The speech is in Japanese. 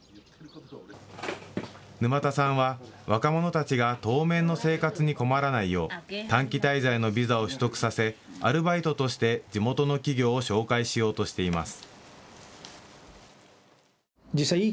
沼田さんは若者たちが当面の生活に困らないよう短期滞在のビザを取得させアルバイトとして地元の企業を紹介しようとしています。